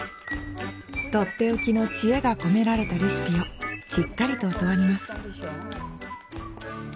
とっておきの知恵が込められたレシピをしっかりと教わります